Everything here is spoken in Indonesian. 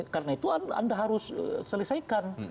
karena itu anda harus selesaikan